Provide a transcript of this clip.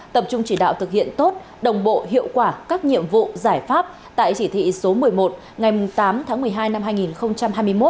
tập trung chỉ đạo thực hiện tốt đồng bộ hiệu quả các nhiệm vụ giải pháp tại chỉ thị số một mươi một ngày tám tháng một mươi hai năm hai nghìn hai mươi một